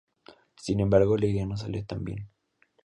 Sin embargo la idea no salió tan bien.